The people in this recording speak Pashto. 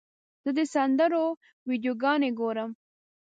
زه د سندرو ویډیوګانې ګورم.